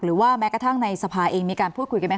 แม้กระทั่งในสภาเองมีการพูดคุยกันไหมค